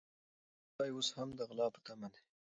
سپی اوس هم د غلام په تمه دی.